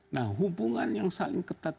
nah hubungan yang saling ketat